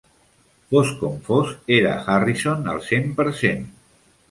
Fos com fos, era Harrison al cent per cent.